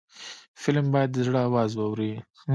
فلم باید د زړه آواز واوري